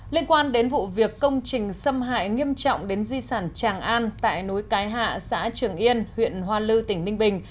liên quan đến vụ việc công trình xâm hại nghiêm trọng đến di sản tràng an tại núi cái hạ xã trường yên huyện hoa lư tỉnh ninh bình